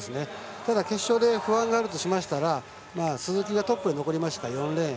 ただ決勝で不安があるとすれば鈴木がトップで残りましたから４レーン。